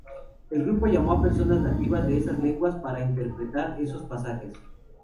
El grupo llamó a personas nativas de esas lenguas para interpretar esos pasajes.